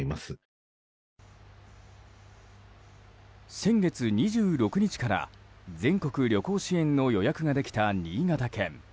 先月２６日から全国旅行支援の予約ができた新潟県。